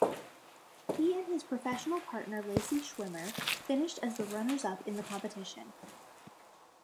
He and his professional partner Lacey Schwimmer finished as the runners-up in the competition.